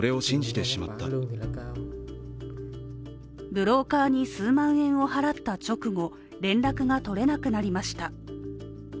ブローカーに数万円を払った直後、連絡が取れなくなりました。